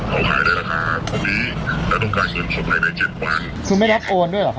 เขาต้องการเงินสดเขาขายได้ราคาครับ